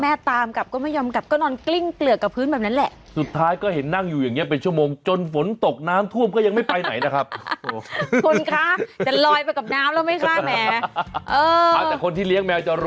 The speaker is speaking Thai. เอาออกมายังไงมันติดที่เลย